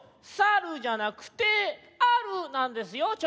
「さる」じゃなくて「ある」なんですよ。